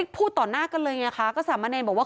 พูดต่อหน้ากันเลยไงคะก็สามะเนรบอกว่า